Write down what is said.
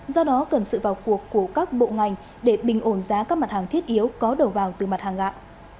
do đó cần sự vào cuộc của các bộ ngành để bình ổn giá các mặt hàng thiết yếu có đầu vào từ mặt hàng gạo